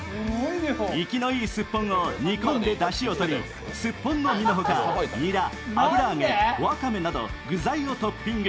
生きのいいすっぽんを煮込んでだしを取りすっぽんの身のほか、にら、油揚げ、わかめなど具材をトッピング。